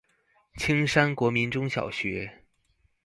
青山國民中小學